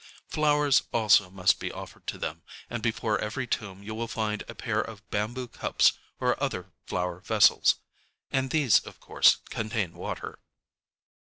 Flowers also must be offered to them; and before every tomb you will find a pair of bamboo cups, or other flower vessels; and these, of course, contain water.